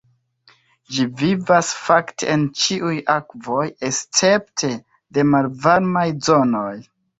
Ĝi vivas fakte en ĉiuj akvoj, escepte de malvarmaj zonoj.